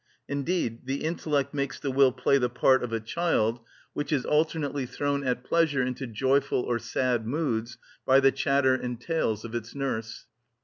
Indeed the intellect makes the will play the part of a child which is alternately thrown at pleasure into joyful or sad moods by the chatter and tales of its nurse.